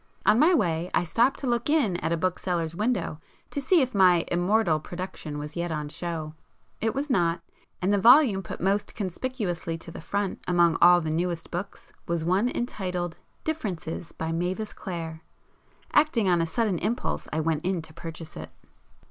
On my way I stopped to look in at a bookseller's window to see if my 'immortal' production was yet on show. It was not,—and the volume put most conspicuously [p 172] to the front among all the 'newest books' was one entitled 'Differences. By Mavis Clare.' Acting on a sudden impulse I went in to purchase it.